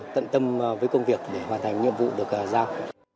tận tâm với công việc để hoàn thành nhiệm vụ được giao